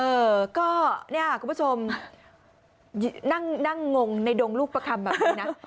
เออก็เนี่ยคุณผู้ชมนั่งงงในดงลูกประคำแบบนี้นะ